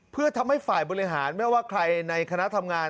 เพื่อทำให้ฝ่ายบริหารไม่ว่าใครในคณะทำงาน